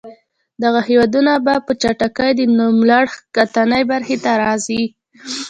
دغه هېوادونه به په چټکۍ د نوملړ ښکتنۍ برخې ته راځي.